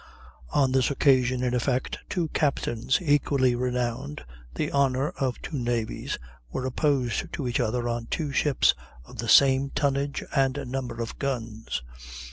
On this occasion, in effect, two captains equally renowned, the honor of two navies, were opposed to each other on two ships of the same tonnage and number of guns.